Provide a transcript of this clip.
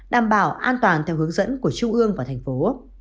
đảm bảo an toàn theo hướng dẫn của trung ương và thành phố